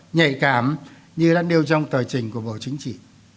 nhạy cảm như đang đều trong tờ trình của bộ chính trị